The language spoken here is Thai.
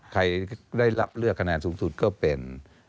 ใครได้รับเลือกคะแนนสูงสุดก็เป็น